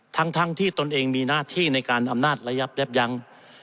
ทั้งที่ตนเองมีหน้าที่ในการอำนาจระยับยับยั้ง